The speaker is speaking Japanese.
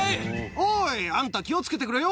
おーい、あんた、気をつけてくれてよ。